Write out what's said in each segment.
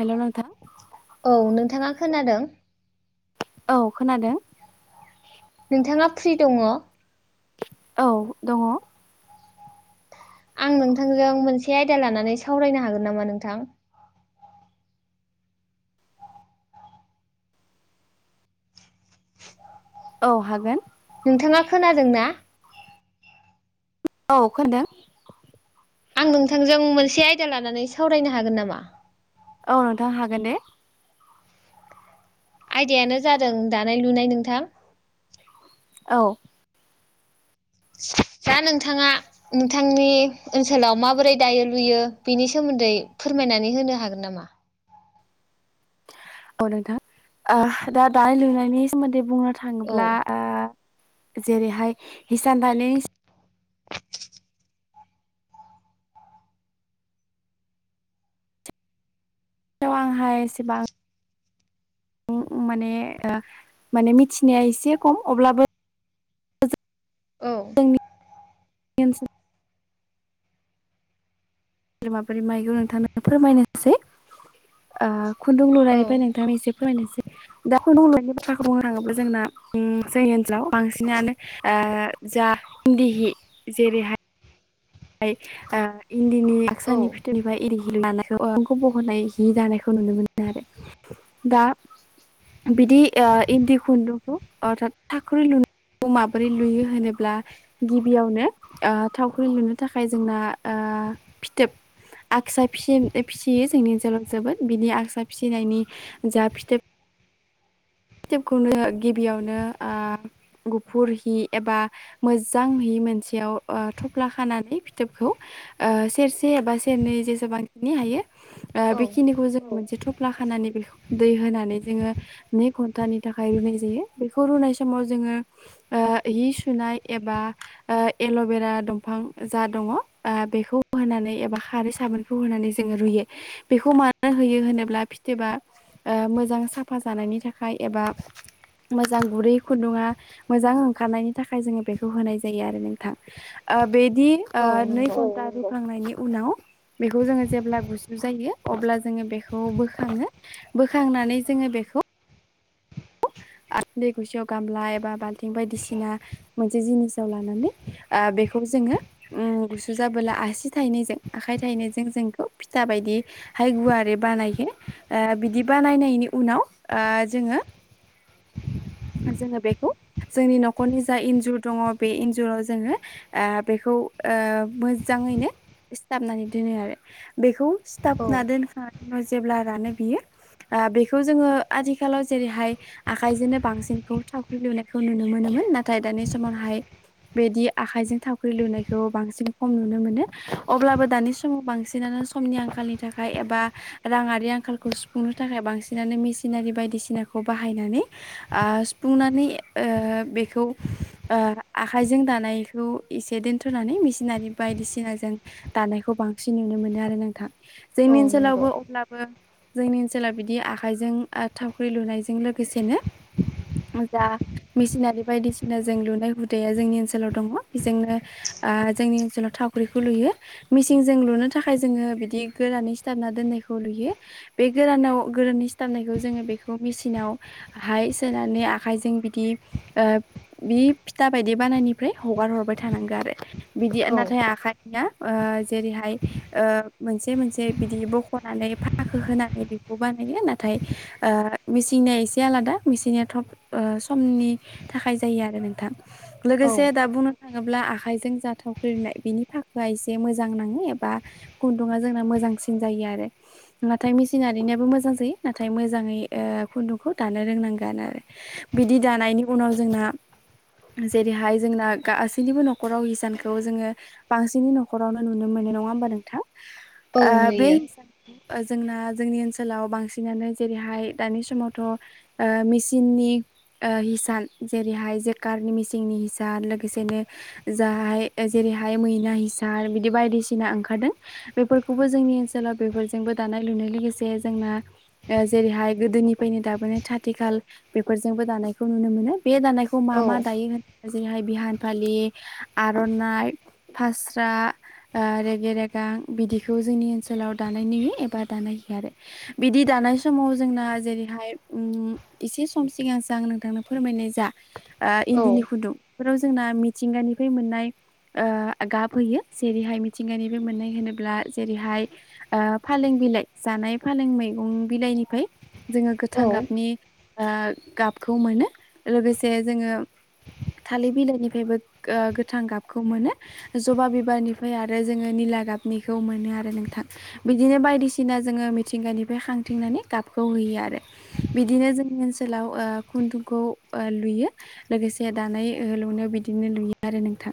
हेल' नोंथां औ नोंथाङा खोनादों औ खोनादों । नोंथाङा फ्रि दङ औ दङ आं नोंथांजों मोनसे आयदा लानानै सावरायनो हागोन नामा नोंथां औ हागोन नोंथाङा खोनादों ना औ खोनादों आं नोंथांजों मोनसे आयदा लानानै सावरायनो हागोन नामा औ नोंथां हागोन दे आयदायानो जादों दानाय लुनाय नोंथां औ दा नोंथाङा नोंथांनि ओनसोलाव माबोरै दायो लुयो बिनि सोमोन्दै सोमोन्दै फोरमायनानै होनो हागोन नामा? औ नोंथां दा दानाय लुनायनि सोमोन्दै बुंनो औ थाङोब्ला जेरैहाय हिसान दानि से आंहा एसेबां माने माने मिथिनाया एसे खम अब्लाबो औ केसोल माबोरै माइखौ नोंथांनो फोरमायनोसै ओ खुन्दुं औ लुनायनिफ्राय नोंथां एसे फरायनोसै। दा खुन हलाइनायनि बाथ्राखौ बुंनो थाङोब्ला जोंना जोंनि ओनसोलाव बांसिनानो ओ जा इन्दी हि जेरैहाय ओमफ्राय इन्दिनिसानि औ फिथोरनिफ्राय एरिहि लुनानै खौ बहनाय हि दानायखौ नुनो मोनो आरो दा बिदि इन्दि खुन्दुंखौ थाख्रि लु माबोरै लुयो होनोब्ला गिबियावनो थावख्रि लुनो थाखाय जोंना ओ फिथोब आगसा फि फिसियो जोंनि ओनसोलाव जोबोद बिनि आगसा फिसिनायनि जा फिथोब स्टेबखौनो गिबियावनो गुफुर हि एबा मोजां हि मोनसेयाव थफ्ला खानानै फिथोबखौ सेरसे एबा सेरनै जेसेबांनि हायो औ बेखिनिखौ जों मोनसे थफ्ला खानानै बे दै होनानै जोङो घट भुथानि थाखाय रुनाय जायो बेखौ रुनाय समाव जोङो हि सुनाय एबा एल'बेरा दंफां जा दङ बेखौ होनानै एबा खारै साबोनखौ होनानै जोङो रुयो बेखौ मानो होयो होनोब्ला फिथोबा मोजां साफा जानायनि थाखाय आखाइ एबा मोजां गुरै खुन्दुङा मोजां ओंखारनायनि थाखाय जोङो बेखौ होनाय जायो आरो नोंथां। बेदि औ नै नंगौ घन्टा रुखांनायनि उनाव बेखौ जों जेब्ला गुसु जायो अब्ला जोङो बेखौ बोखाङो बोखाङो। होननानै जोङो बेखौ दै गुसेयाव गामला एबा बाल्थिं बायदिसिना मोनसे जिनिसाव लानानै बेखौ जोङो गुसु जाबोला आसि थाइैजों आखाइ थाइनैजों जोंखौ फिथा बायदि हाय गुवारै बानायगोन बिदि बानायनायनि उनाव ओ जोङो [inaudible] जोङो बेखौ जोंनि न'खरनि जा इन्जुर दङ बे इन्जुराव जोङो ओ बेखौ खौ मोजाङैनो सिथाबनानै दोनो आरो बेखौ औ सिथापना दोनखां जेब्ला रानो बियो बेखौ जोङो आथिखालाव जेरैहाय आखायजोंनो बांसिनखौ सावख्रि लुनायखौ नुनो मोनोमोन नाथाय दानि समावहाय बिदि आखाइजों थावख्रि लुनायखौ बांसिन खम नुनो मोनो अब्लाबो दानि समाव बांसिनानो समनि आंखालनि थाखाय एबा राङारि आंखालखौ सुफुंनो थाखाय बांसिनानो मेसिनारि बायदिसिनाखौ बाहाय बाहायनानै ओ सुंफुंनानै आखाइजों दा बेखौ एसे दोनथ'नानै मेसिनारि बायदिसिनाजों दानायखौ बांसिन नुनो मोनो आरो नोंथां। औ जोंनि नंगौ ओनसोलावबो अब्लाबो जोंनि ओनसोलाव बिदि आखाइजों थावख्रि लुनायजों बेसेनो जा मेसिनारि बायदिसिना जों लुनाय हुदाया जोंनि ओनसोलाव दङ बेजोंनो ओ जोंनि ओनसोलाव थावाख्रिखौ लुयो मेसिनजों लुनो थाखाय जोङो बिदि गोरानै सिथाबना दोनो। लुयो बे गोरानाव गोरनि सिथारनायखौ जोङो बेखौ मेसिनाव हाय सोनानै आखाइजों बिदि बे फिथा बायदि बानायनिफ्राय हगार हगार हरबाय थानांगोन आरो बिदि औ नाथाय आखाइ आं जेरैहाय मोनसे मोनसे बिदि बख'नानै फाखो होनानै बेखौ बानायो नाथाय ओ मेसिन जे आलादा मिनिया थब समनि थाखाय जायो आरो नोंथां। औ लोगोसे दा बुंनो थाङोब्ला आखाइजों जाथावख्रिनाय बिनि फाखुआ एसे मोजां नाङो एबा गुन्दुङा जोंना मोज जांसिन जायो आरो नोंङाथाय मिचिनारियाबो मोजां जायो नाथाय मोजाङै ओ खुन्दुं खौ दानो रोंनांगान आरो बिदि दानायनि उनाव जोंहा जेरैहाय जोंना गासैनिबो न'खराव हिसानखौ जोङो बांसिनै न'खरावनो नुनो मोन नङा होमबा नोंथां औ आ बे नुयो हिसाब ओ जोंना जोंनि ओनसोलाव बांसिनानो जेरैहाय दानि समाव थ ओ मिचिननि ओ हिसान जेरैहाय जेकारनि मिसिंनि हिसान लोगोसेनो जाहाय ओ जेर हाय मैना हिसार बिदि बायदिसिना ओंखारदों बेफोरखौबो जोंनि ओनोलाव बेफोरजों बो दानाय लुनो लोगोसे जोंना ओ जेरै हाय गोदोनि फैनो दाबोनो थाथिखाल बेफोरजोंबो दानायखौ नुनो मोनो बे दानायखौ मा औ मा दायो जेरैहाय बिहान फालि आर'नाइ फास्रा आ रेगे रेगां बिदिखौ जोंनि ओनसोलाव दानाय नुयो एबा दानाय होयो आरो बिदि दा थानाय समाव जोंना जेरै हाय उम एसे सम सिगांसो आं नोंथांनो फोरमायनाय जा आ औ इन्दिनि खुदुं फोराव जोंना मिथिंगानिफाय मोननाय ओ गाब होयो जेरैहाय मिथिंगानि बे मोननाय होनोब्ला जेरैहाय ओ फालें बिलाइ जानाय फालें मैगं बिलाइनिफाय जोङो गोथां औ गाबनि ओ गाबखौ मोनो लोगोसे जोङो थालिर बिलाइनिफ्रायबो ओ गोथां गाबखौ मोनो जबा बिबारनिफाय आरो जोङो निला दा गाबनिखौ मोनो आरो नोंथां बिदिनो बायदिसिना जोङो मिथिंगानिफ्राय हांथिंनानै गाबखौ हैयो आ आरो बिदिनो जोंनि ओनसोलाव ओ खुन्दुंखौ ओ लुयो लोगोसे दानाय होहोलौनायाव बिदिनो लुयो आरो नोंथां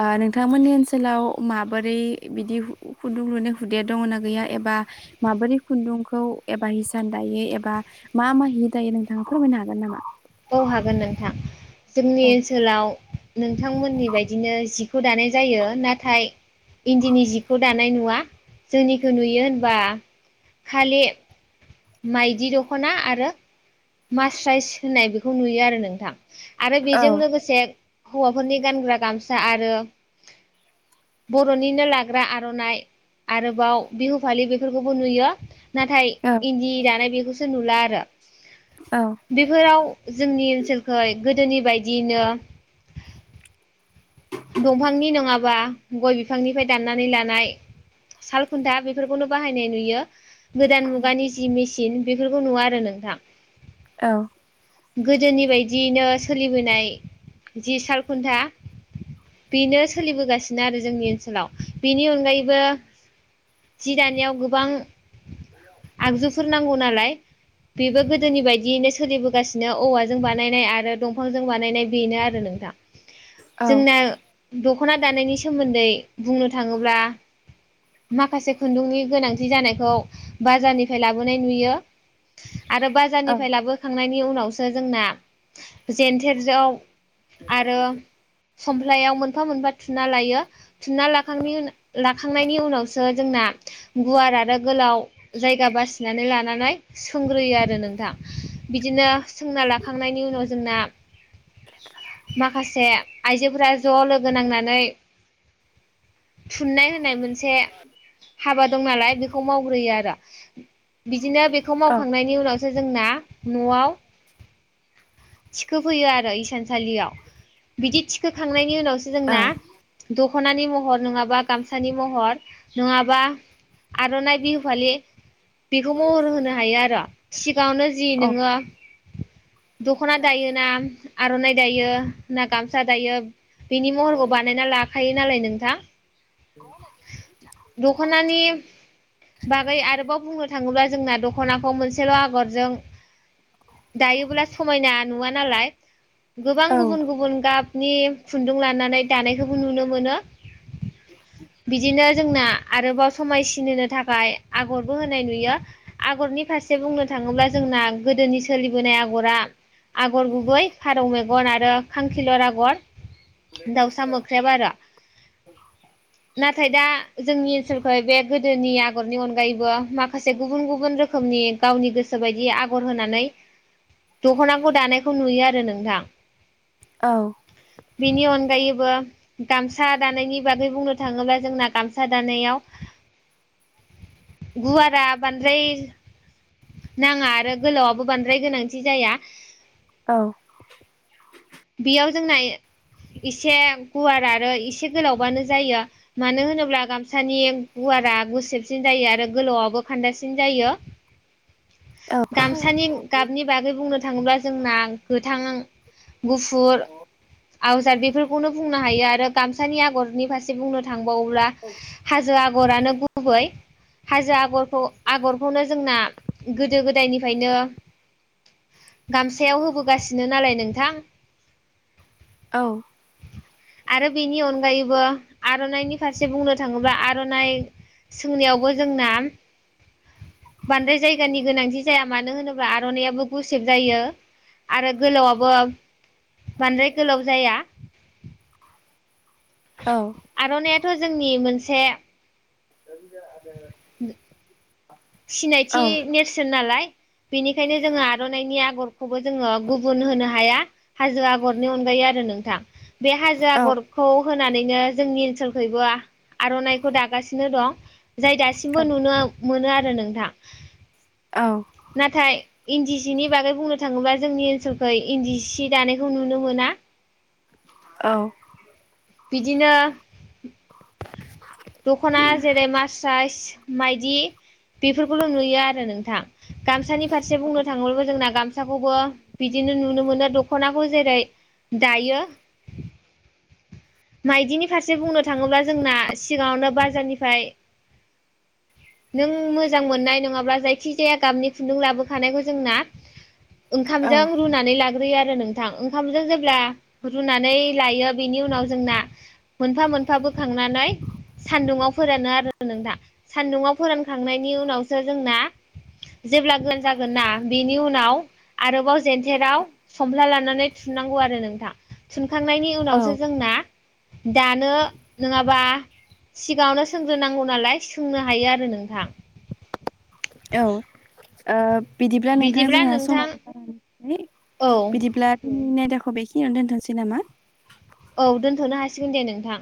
ओ नोंथांमोननि ओनसोलाव माबोरै बिदि खुन्दुं लुनाय हुदाया दङ ना गैया एबा माबोरै खुन्दुंखौ एबा हिसान दायो एबा बा मा मा हि दायो नोंथाङा फोरमायनो हागोन नामा बाव हागोन नोंथां जोंनि औ ओनसोलाव नोंथांमोननि बायदिनो जिखौ दानाय जायो नाथाय इन्दिनि जिखौ दानाय नुवा जोंनिखो नुयो होनबा खालि माइदि दखना आरो मास राइस होननाय बेखौ नुयो आरो नोंथां आरो औ बेजों लोगोसे हौवाफोरनि गानग्रा गामसा आरो बर'निनो लाग्रा आर'नाइ आरोबाव बिहु फालि बेफोरखौबो नुयो नाथाय औ इन्दि दानाय बेखौसो नुला आरो औ बेफोराव जोंनि ओनसोलखै गोदोनि बायदियैनो दंफांनि नङाबा गय बिफांनिफाय दाननानै लानाय सालखुन्था बेफोरखौनो बाहायनाय नुयो गोदान मुगानि जि मिचिन बेफोरखौ नुवा आरो नोंथां औ गोदोनि बायदियैनो सोलिबोनाय जि सालखुन्था बेनो सोलिबोगासिनो आरो जोंनि ओनसोलाव बेनि अनगायैबो जि दानायाव गोबां आगजुफोर नांगौ नालाय बेबो गोदोनि बायदियैनो सोलिबोगासिनो औवाजों बानायनाय आरो दंफांजों बानायनाय बेनो आरो नो नोंथा औ जोंना द खना दानायनि सोमोन्दै बुंनो थाङोब्ला माखासे खुन्दुंनि गोनांथि जानायखौ बाजारनिफाय लाबोनाय नुयो आरो बाजारनिफाय लाबोखांनायनि उनावसो जोंना जेेन्थेर जों आरो समफ्लायाव मोनफा मोनफा थुना लायो थुना लाखांनि उन लाखांनायनि उनावसो जोंना गुवार आरो गोलाव जायगा बासिनानै लानानै सोंग्रोयो आरो नोंथां बिदिनो सोंना लाखांनायनि उनाव जोंना माखासे आइजोफोरा ज' लोगो नांनानै थुननाय होनाय मोनसे हाबा दं नालाय बेखौ मावग्रोयो आरो बिदिनो बेखौ मावखांनायनि उनावसो जोंना न'आव थिखो फैयो आरो इसानसालियाव बिदि थि खोखांनायनि उनावसो जोंना दखनानि महर नङाबा गामसानि महर नङाबा आर'नाय बिहुफालि बेखौ महर होनो हायो आरो सिगाङावनो जि नोङो दख'ना दायोना आर'नाइ दायो ना गामसा दायो बिनि महरखौ बानायना लाखायो नालाय नोंथां दखनानि बागै आरोबाव बुंनो थाङोब्ला जोंना दख'नाखौ मोनसेल' आगरजों दायोब्ला समायना नुवा नालाय गोबां गुबुन गुबुन गाबनि खुन्दुं लानानै दानायखौबो नुनो मोनो। बिदिनो जोंना आरोबाव समायसिन होनो थाखाय आगरबो होनाय नुयो आगरनि फारसे बुंनो था थाङोब्ला जोंना गोदोनि सोलिबोनाय आगरा आगर गुबै फारौ मेगन आरो खांखिलर आ खर दाउसा मोख्रेब आरो। नाथाय दा जोंनि ओनसोलखौ बे गोदोनि आगरनि अनगायैबो माखासे गुबुन गुबुन रोखोमनि गावनि गोसो बायदि आगर होनानै दख'नाखौ दानायखौ नुयो आरो नोंथां। औ । बेनि अनगायैबो गामसा दानायनि बागै बुंनो थाङोब्ला जोंना गामसा दानायाव गुवारा बान्द्राय नाङा आरो गोलावआबो बांद्राय गोनांथि जाया। औ। जोंनायो एसे गुवार आरो इसे गोलावबानो जायो मानो होनोब्ला गामसानि गु वारा गुसेबसिन जायो आरो गोलावआबो खान्दासिन जायो। गामसानि गाबनि बागै बुंनो थाङोब्ला जोंना गोथां गुफुर आव जा बेफोरखौनो बुंनो हायो आरो गामसानि आगरनि फारसे बुंनो थां सानोब्ला हाजो आगरानो गुबै। हाजो आगर आगरखौनो जोंना गोदो गोदायनिफायनो गामसायाव होबोगासिनो नालाय नोंथां। औ। आरो बेनि अनगायैबो आर'नाइनि फारसे बुंनो थाङोब्ला आर'नाइ सोंनायावबो जोंना बांद्राय जाय गानि गोनांथि जाया मानो होनोब्ला आर'नाइयाबो गुसेब जायो। आरो गोलावाबो बांद्राय गोलाव जाया। आर'नाइयाथ' जोंनि मोनसे सिनायथि नेरसोन नालाय बेनिखायनो जोङो आर'नाइनि आ गरखौबो जोङो गुबुन होनो हाया हाजो आगरनि अनगायै आरो नोंथां। बे हाजो आगरखौ होन नानैनो जोंनि ओनसोलखैबो आर'नाइखौ दागासिनो दं। जाय दासिमबो नुनो मोनो आरो नोंथां। नाथाय इन्दि सिनि बागै बुंनो थाङोब्ला जोंनि ओनसोलखै इन्दि सि दानायखौ नुनो मोना। [inaudible] औ। बिदिनो दख'ना जेरै मास राइस, माइदि, बेफोरखौल' नुयो आरो नोंथां गामसानि फारसे बुंनो थाङोब्लाबो जोंना गामसाखौबो बिदि नो नुनो मोनो दख'नाखौ जेरै दायो माइदिनि फारसे बुंनो थाङोब्ला जोंना सिगाङावनो बाजारनिफ्राय [inaudible] नों मोजां मोननाय नङाब्ला जायखि जाया गाबनि खुन्दुं लाबोखानायखौ जोंना ओंखामजों औ रुनानै ला ग्रोयो आरो नोंथां ओंखामजों जेब्ला रुनानै लायो बेनि उनाव जोंना मोनफा-मोनफा बोखांनानै सान्दुङाव फोरानो आरो नोंथां सान्दुङाव फोरानखांनायनि उनावसो जोंना जेब्ला गोरान जागोन ना बेनि उनाव आरोबाव जेेनथेराव फमफ्ला लानानै थुननांगौ आरो नोंथां थुनखांनायनि औ औ उनावसो जोंना दानो नङाबा सिगाङावनो सोंग्रोनांगौ नालाय सोंनो हायो आरो नोंथां औ ओ बिदिब्ला नोंथां [unintelligible] जोंहा समावबोनानै औ बिदिब्लाोंनि यदाखौ बेखि खिनियावनो दोनथ'नोसै नामा औ दोनथ'नो हासिगोन दे नोंथां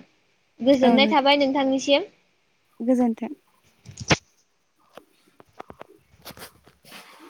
औ गोजोननाय नोंथां थाबाय नोंथांनिसिम गोजोन्थों [unintelligible]